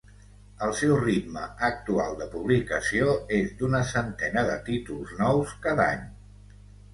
El seu ritme actual de publicació és d'una centena de títols nous cada any.